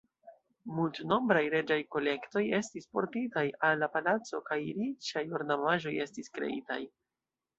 Multnombraj reĝaj kolektoj estis portitaj al la palaco kaj riĉaj ornamaĵoj estis kreitaj.